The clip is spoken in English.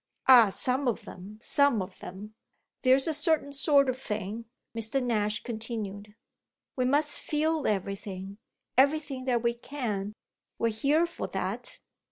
"Ah some of them, some of them; there's a certain sort of thing!" Mr. Nash continued. "We must feel everything, everything that we can. We're here for that."